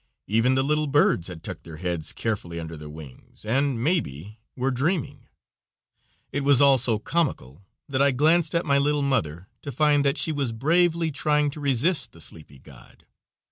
Even the little birds had tucked their heads carefully under their wings and, maybe, were dreaming. It was all so comical that I glanced at my little mother to find she was bravely trying to resist the sleepy god.